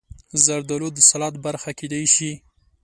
زردالو د سلاد برخه کېدای شي.